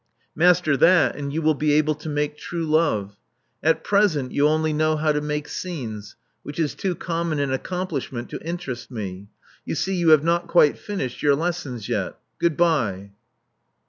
Master that and you will be able to make true love. At present you only know how to make scenes, which is too common an accomplishment to interest me. You see you have not quite finished you lessons yet. Goodbye."